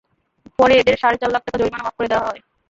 পরে এদের সাড়ে চার লাখ টাকা জরিমানা মাফ করে দেওয়া হয়।